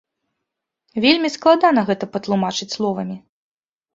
Вельмі складана гэта патлумачыць словамі.